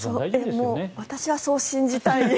私はそう信じたい。